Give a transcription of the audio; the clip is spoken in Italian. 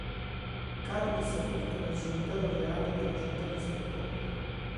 Carlo è sepolto nel cimitero reale della città di Stoccolma.